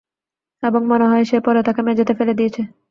এবং, মনে হয় সে পরে তাকে মেঝেতে ফেলে দিয়েছে।